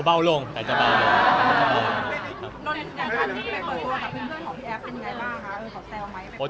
กับเพื่อนของพี่แอฟคุณยังยังไงบ้างฮะ